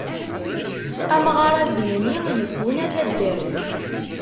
Amɣar azemni yegguna taddart.